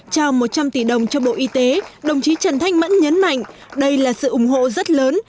trao một trăm linh tỷ đồng cho bộ y tế đồng chí trần thanh mẫn nhấn mạnh đây là sự ủng hộ rất lớn